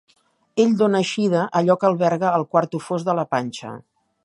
Ell dona eixida a allò que alberga el quarto fosc de la panxa.